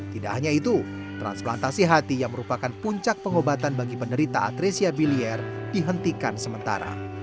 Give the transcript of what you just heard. tidak hanya itu transplantasi hati yang merupakan puncak pengobatan bagi penderita atresia bilier dihentikan sementara